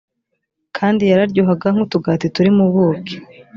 kandi yaryohaga nk’utugati turimo ubuki.